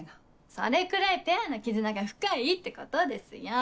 それくらいペアの絆が深いってことですよぉ。